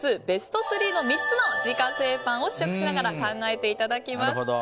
ベスト３の３つの自家製パンを試食しながら考えていただきます。